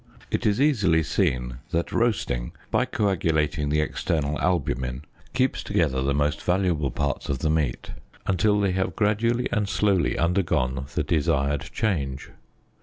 It is easily seen that roasting by coagulating the external albumen keeps together the most valuable parts of the meat, till they have gradually and slowly undergone the desired change.